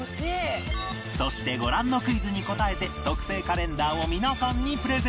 そしてご覧のクイズに答えて特製カレンダーを皆さんにプレゼント